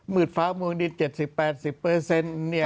เมืดฟ้ามงดิน๗๐๘๐เปอร์เซนท์